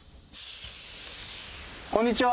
こんにちは。